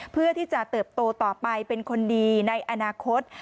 เพื่อที่จะเติบโตต่อไปเป็นคนดีในอนาคต